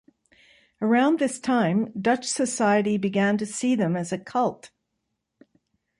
Around this time, Dutch society began to see them as a cult.